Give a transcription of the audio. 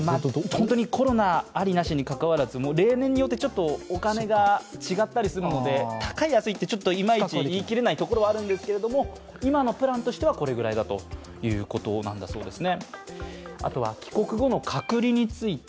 コロナありなしにかかわらず、例年によってお金が違ったりするので高い、安いといまいち言い切れないところはあるんですけれども、今のプランとしては、これくらいということなんだそうです。